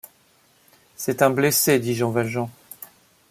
C’est un blessé, dit Jean Valjean.